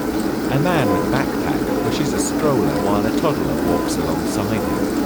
A man with a backpack pushes a stroller while a toddler walks along side him